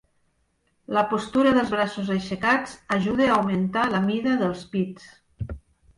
La postura dels braços aixecats ajuda a augmentar la mida dels pits.